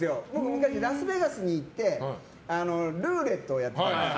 昔ラスベガスに行ってルーレットをやってたんですよ。